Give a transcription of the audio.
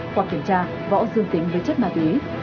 qua kiểm tra võ dương tính với chất ma túy